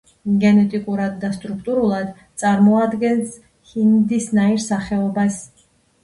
გენეტიკურად და სტრუქტურულად წარმოადგენს ჰინდის ნაირსახეობას.